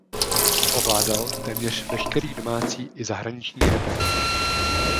Ovládal téměř veškerý domácí i zahraniční repertoár.